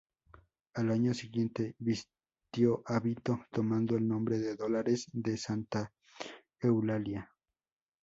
Al año siguiente vistió hábito, tomando el nombre de Dolores de Santa Eulalia.